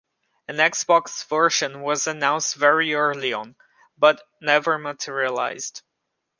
An Xbox version was announced very early on, but never materialized.